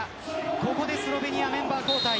ここでスロベニア、メンバー交代。